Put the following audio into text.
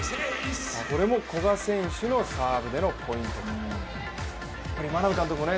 これも古賀選手のサーブでのポイントですね。